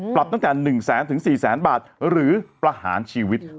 ปรับตั้งแต่๑แสนถึง๔แสนบาทหรือประหารชีวิต